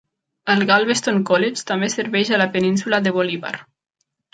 El Galveston College també serveix a la península de Bolívar.